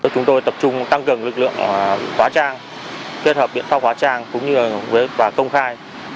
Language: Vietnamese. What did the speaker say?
chúng tôi tập trung tăng cường lực lượng hóa trang kết hợp biện pháp hóa trang và công khai